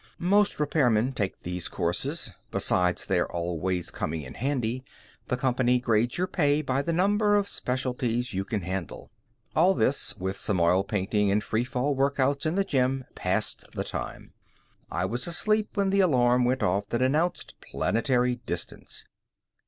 Most repairmen take these courses. Besides their always coming in handy, the company grades your pay by the number of specialties you can handle. All this, with some oil painting and free fall workouts in the gym, passed the time. I was asleep when the alarm went off that announced planetary distance.